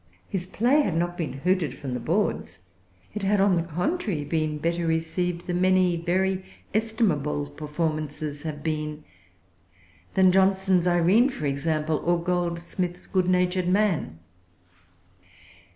His play had not been hooted from the boards. It had, on the contrary, been better received than many very estimable performances have been,—than Johnson's Irene, for example, or Goldsmith's Good Natured Man.